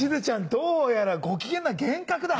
どうやらご機嫌な幻覚だ。